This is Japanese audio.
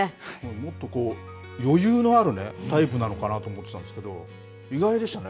もっとこう、余裕のあるね、タイプなのかなと思ってたんですけど、意外でしたね。